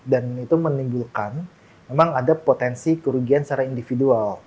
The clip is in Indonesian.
dan itu menimbulkan memang ada potensi kerugian secara individual